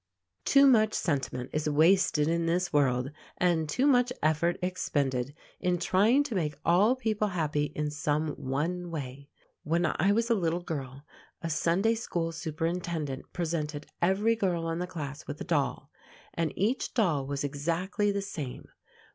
Too much sentiment is wasted in this world and too much effort expended in trying to make all people happy in some one way. When I was a little girl, a Sunday school superintendent presented every girl in the class with a doll, and each doll was exactly the same.